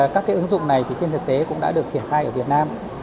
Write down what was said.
các ứng dụng này trên thực tế cũng đã được triển khai ở việt nam